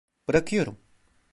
Bırakıyorum.